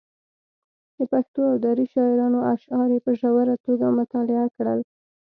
د پښتو او دري شاعرانو اشعار یې په ژوره توګه مطالعه کړل.